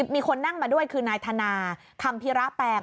มีคนนั่งมาด้วยคือนายธนาคัมภิระแปลง